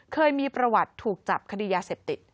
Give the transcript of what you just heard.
เคยมีประวัติถูกจับคดียาเสพติด